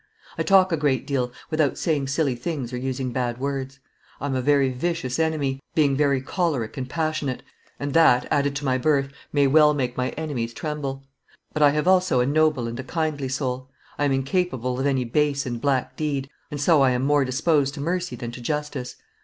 I talk a great deal, without saying silly things or using bad words. I am a very vicious enemy, being very choleric and passionate, and that, added to my birth, may well make my enemies tremble; but I have also a noble and a kindly soul. I am incapable of any base and black deed; and so I am more disposed to mercy than to justice.